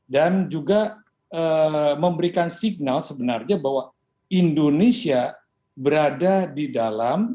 dan juga memberikan signal sebenarnya bahwa indonesia berada di dalam